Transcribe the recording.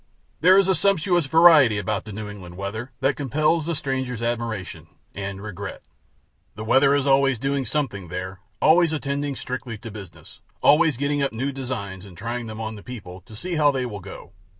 There is a sumptuous variety about the New England weather that compels the stranger's admiration and regret. The weather is always doing something there; always attending strictly to business; always getting up new designs and trying them on the people to see how they will go.